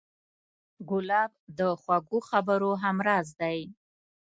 ګلاب د خوږو خبرو همراز دی.